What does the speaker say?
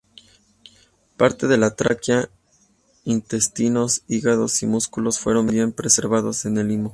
Parte de la tráquea, intestinos, hígado, y músculos fueron bien preservados en el limo.